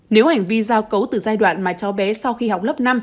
nếu hành vi giao cấu từ giai đoạn mà cháu bé sau khi học lớp năm